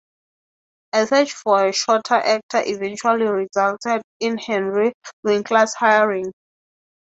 A search for a shorter actor eventually resulted in Henry Winkler's hiring.